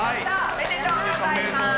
おめでとうございます。